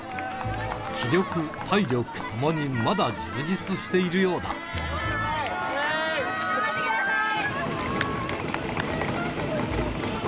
気力、体力ともにまだ充実してい頑張ってください。